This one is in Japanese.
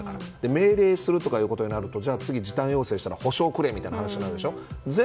命令するということじゃなくてじゃあ、次は時短要請したら補償してくれみたいな話になるでしょ。